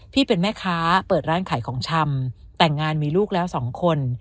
เป็นแม่ค้าเปิดร้านขายของชำแต่งงานมีลูกแล้วสองคน